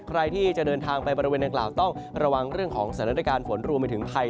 ใครที่จะเดินทางไปบริเวณนางกล่าวต้องระวังเรื่องของสถานการณ์ฝนรวมไปถึงภัย